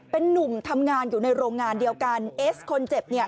เป็นนุ่มทำงานอยู่ในโรงงานเดียวกันเอสคนเจ็บเนี่ย